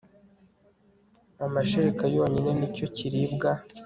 amashereka yonyine nicyo kiribwa